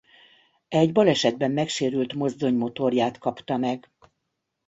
Egy balesetben megsérült mozdony motorját kapta meg.